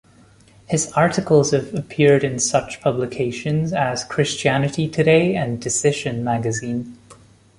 His articles have appeared in such publications as "Christianity Today" and "Decision" magazine.